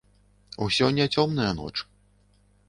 Усё не цёмная ноч.